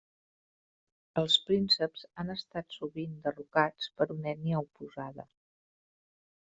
Els prínceps han estat sovint derrocats per una ètnia oposada.